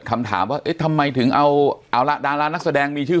คำถามว่าเอ๊ะทำไมถึงเอาละดารานักแสดงมีชื่อ